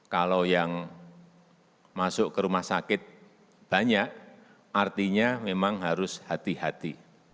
kalau yang masuk ke rumah sakit banyak artinya memang harus hati hati